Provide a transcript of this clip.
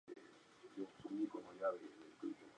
Es además la única serie del autor protagonizada por mujeres.